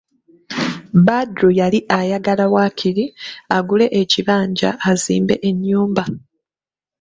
Badru yali ayagala waakiri agule ekibanja azimbe ennyumba.